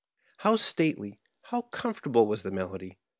How stately, how comfortable was the melody!